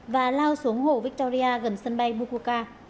và lao xuống hồ victoria gần sân bay bukoka